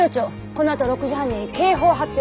このあと６時半に警報発表。